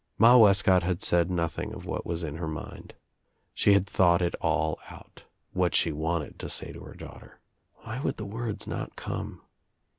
Ma Wescott had said nothing of what was in her mind. She had thought it all out, what she wanted to say to her daughter. Why would the words not come?